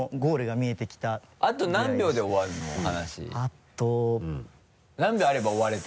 あと。何秒あれば終われた？